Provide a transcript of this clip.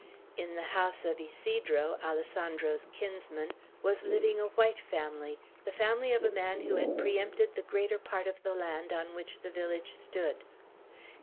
In the house of Ysidro, Alessandro's kinsman, was living a white family, the family of a man who had pre empted the greater part of the land on which the village stood.